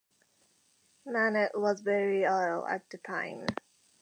Manet was very ill at the time.